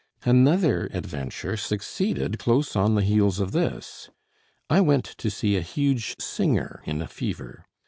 Another adventure succeeded close on the heels of this. I went to see a huge singer in a fever.